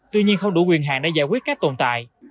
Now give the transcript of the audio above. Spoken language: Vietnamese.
tuy nhiên không đủ quyền hạn để giải quyết các tồn tại